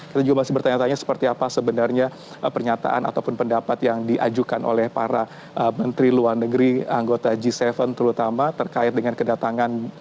kita juga masih bertanya tanya seperti apa sebenarnya pernyataan ataupun pendapat yang diajukan oleh para menteri luar negeri anggota g tujuh terutama terkait dengan kedatangan